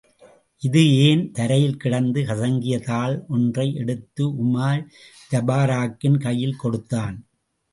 இது ஏன்? தரையில் கிடந்த கசங்கிய தாள் ஒன்றை எடுத்து உமார் ஜபாரக்கின் கையில் கொடுத்தான்.